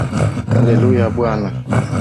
Hallelujah Bwana.